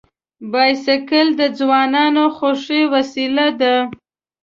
بایسکل د ځوانانو خوښي وسیله ده.